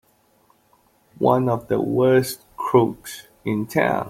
One of the worst crooks in town!